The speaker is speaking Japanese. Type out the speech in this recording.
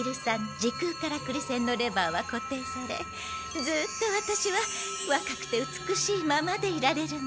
時空カラクリ船のレバーは固定されずっとワタシはわかくて美しいままでいられるの。